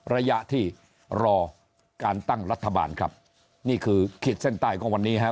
ระยะที่รอการตั้งรัฐบาลครับนี่คือขีดเส้นใต้ของวันนี้ครับ